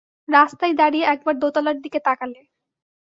রাস্তায় দাঁড়িয়ে একবার দোতলার দিকে তাকালে।